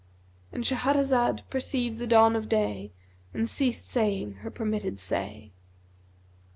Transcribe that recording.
And Shahrazad perceived the dawn of day and ceased saying her permitted say.